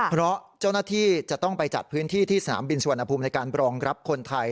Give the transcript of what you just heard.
เพราะเจ้าหน้าที่จะต้องไปจัดพื้นที่ที่สนามบินสุวรรณภูมิในการรองรับคนไทย